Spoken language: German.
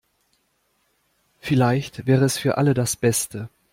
Vielleicht wäre es für alle das Beste.